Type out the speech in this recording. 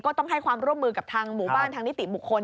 ต้องให้ความร่วมมือกับทางหมู่บ้านทางนิติบุคคล